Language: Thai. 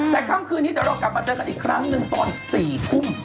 แต่ค่ำคืนนี้เดี๋ยวเรากลับมาเจอกันอีกครั้งหนึ่งตอน๔ทุ่ม